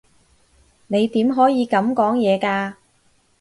你點可以噉講嘢㗎？